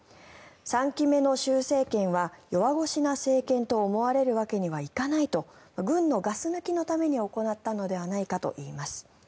３期目の習政権は、弱腰な政権と思われるわけにはいかないと軍のガス抜きのために行ったのではないかといいます。